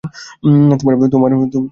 তোমার মত নেই।